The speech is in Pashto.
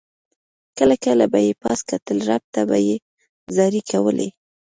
کله کله به یې پاس کتل رب ته به یې زارۍ کولې.